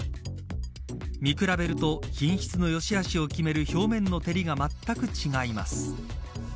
見比べると品質の良し悪しを決める表面の照りがまったく違います。